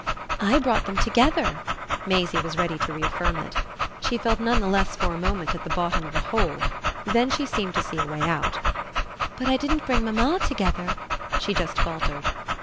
"I brought them together" Maisie was ready to reaffirm it. She felt none the less for a moment at the bottom of a hole; then she seemed to see a way out. "But I didn't bring mamma together " She just faltered.